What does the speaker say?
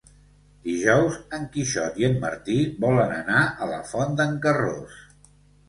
Dijous en Quixot i en Martí volen anar a la Font d'en Carròs.